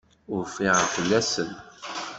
Ur ffiɣeɣ fell-asen.